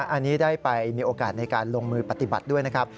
อันนี้ได้ไปมีโอกาสในการลงมือปฏิบัติด้วยนะครับ